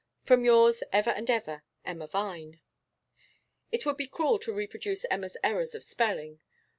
From yours ever and ever, 'EMMA VINE.' It would be cruel to reproduce Emma's errors of spelling.